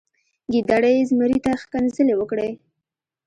ګیدړې زمري ته ښکنځلې وکړې.